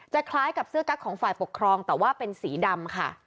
คล้ายกับเสื้อกั๊กของฝ่ายปกครองแต่ว่าเป็นสีดำค่ะ